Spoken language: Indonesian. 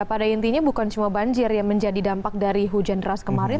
pada intinya bukan cuma banjir yang menjadi dampak dari hujan deras kemarin